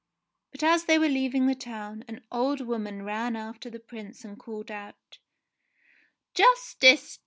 But as they were leaving the town, an old woman ran after the Prince and called out, "Justice!